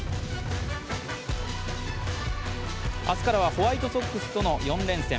明日からはホワイトソックスとの４連戦。